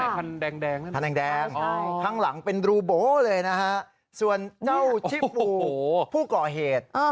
ข้างหลังเป็นรูโบ้เลยนะฮะส่วนเจ้าชิฟูผู้ก่อเหตุ